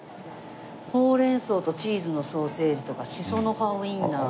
「ほうれん草とチーズのソーセージ」とか「しその葉ウインナー」。